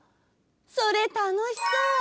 それたのしそう！